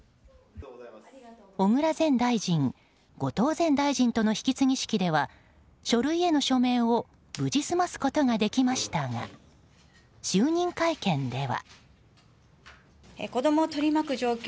小倉前大臣、後藤前大臣との引き継ぎ式では書類への署名を無事済ますことができましたが就任会見では。